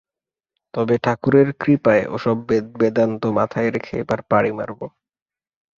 তবে ঠাকুরের কৃপায় ও-সব বেদবেদান্ত মাথায় রেখে এবার পাড়ি মারব।